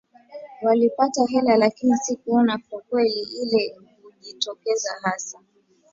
walipata hela lakini sikuona kwa kweli ile kujitokeza hasa